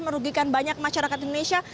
merugikan banyak masyarakat indonesia